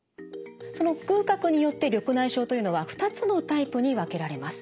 その隅角によって緑内障というのは２つのタイプに分けられます。